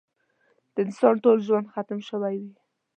د انسان ټول ژوند ختم شوی وي.